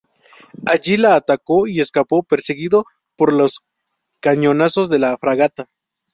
Allí la atacó y escapó perseguido por los cañonazos de la fragata.